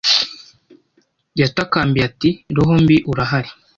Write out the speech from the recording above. Yatakambiye ati roho mbi urahari